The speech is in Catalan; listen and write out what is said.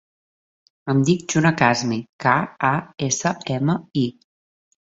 Em dic Juna Kasmi: ca, a, essa, ema, i.